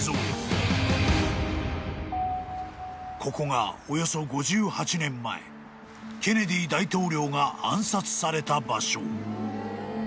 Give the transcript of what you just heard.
［ここがおよそ５８年前ケネディ大統領が暗殺された場所］